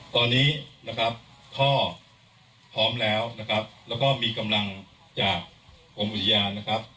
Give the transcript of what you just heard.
ตอนนี้นะครับพ่อพร้อมแล้วนะครับแล้วก็มีกำลังจากกรมอุทยานนะครับ